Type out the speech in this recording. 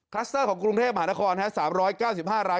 สเตอร์ของกรุงเทพมหานคร๓๙๕ราย